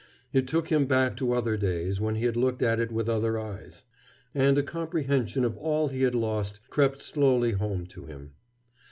It took him back to other days when he had looked at it with other eyes. And a comprehension of all he had lost crept slowly home to him.